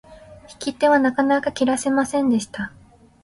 引き手はなかなか切らせませんでした。